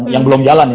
yang belum jalan ya